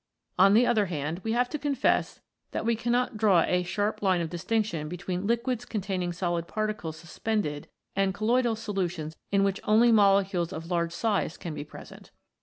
On the other hand, we have to confess that we cannot draw a sharp line of distinction between liquids containing solid particles suspended and colloidal solutions in which only molecules of a large size can be present.